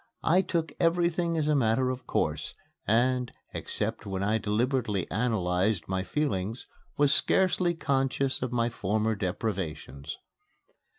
I took everything as a matter of course, and, except when I deliberately analyzed my feelings, was scarcely conscious of my former deprivations.